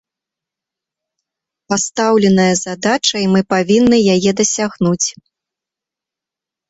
Пастаўленая задача, і мы павінны яе дасягнуць.